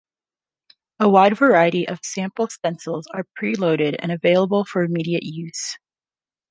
A wide variety of sample stencils are pre-loaded and available for immediate use.